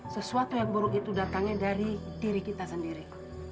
sesuatu yang buruk itu datangnya dari diri kita sendiri